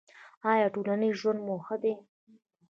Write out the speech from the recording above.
ایا ټولنیز ژوند مو ښه دی؟